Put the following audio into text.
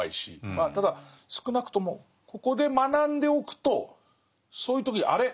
まあただ少なくともここで学んでおくとそういう時にあれ？